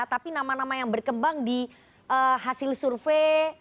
tapi nama nama yang berkembang di hasil survei